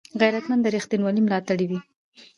غیرتمند د رښتینولۍ ملاتړی وي